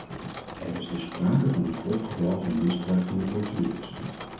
Er is dus sprake van een grof geval van misbruik van de procedures.